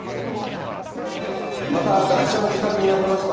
またガイシャの自宅にありました